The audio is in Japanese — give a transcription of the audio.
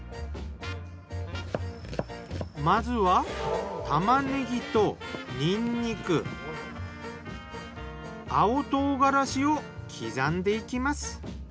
まずは玉ねぎとにんにく青唐辛子を刻んでいきます。